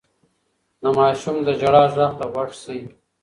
د ماشوم د ژړا غږ ته غوږ شئ.